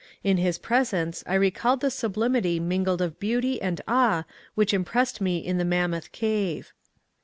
In his pre sence I recalled the sublimity mingled of beauty and awe which impressed me in the Mammoth Cave.